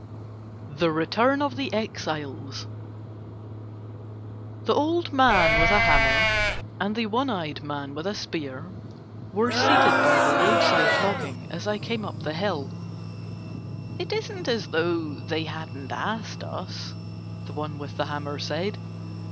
THE RETURN OF THE EXILES The old man with a hammer and the one eyed man with a spear were seated by the roadside talking as I came up the hill. "It isn't as though they hadn't asked us," the one with the hammer said.